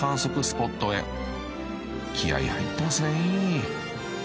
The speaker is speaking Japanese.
［気合入ってますね］